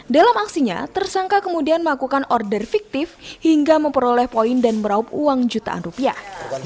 dalam aksinya tersangka kemudian melakukan order fiktif hingga memperoleh poin dan meraup uang jutaan rupiah